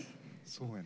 そうやね。